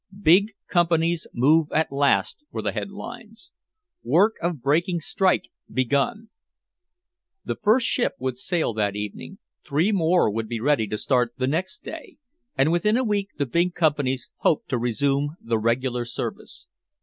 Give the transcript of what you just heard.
"Big Companies Move at Last," were the headlines, "Work of Breaking Strike Begun." The first ship would sail that evening, three more would be ready to start the next day, and within a week the big companies hoped to resume the regular service.